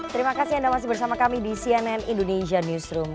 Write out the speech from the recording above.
terima kasih anda masih bersama kami di cnn indonesia newsroom